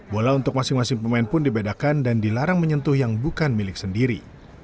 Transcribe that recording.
bola untuk masing masing pemain pun dibedakan dan dilarang menyentuh yang bukan milik sendiri